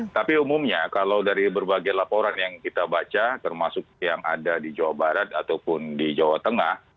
tapi umumnya kalau dari berbagai laporan yang kita baca termasuk yang ada di jawa barat ataupun di jawa tengah